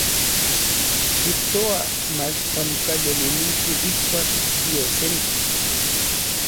Kijtouaj mach onkaj yolilistli ijkuak yiosemik.